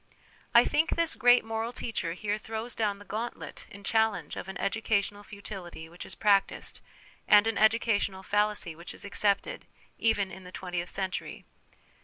I think this great moral teacher here throws down the gauntlet in challenge of an educational futility which is practised, and an educational fallacy which is accepted, even in the twentieth century.